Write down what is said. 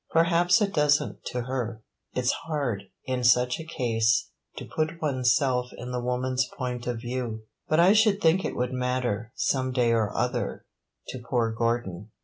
Perhaps it does n't to her; it 's hard, in such a case, to put one's self in the woman's point of view. But I should think it would matter, some day or other, to poor Gordon.